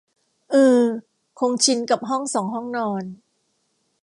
อือ คงชินกับห้องสองห้องนอน